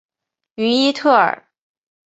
于伊特尔。